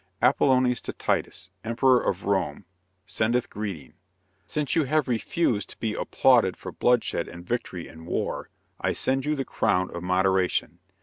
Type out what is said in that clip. "Apollonius to Titus, Emperor of Rome, sendeth greeting. Since you have refused to be applauded for bloodshed and victory in war, I send you the crown of moderation.